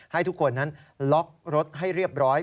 ให้ทุกคนนั้นล็อกรถให้เรียบร้อย